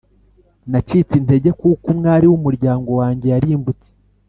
nacitse intege kuko umwari w’umuryango wanjye yarimbutse,